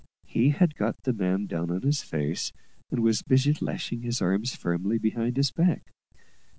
He had got the man down on his face, and was busy lashing his arms firmly behind his back.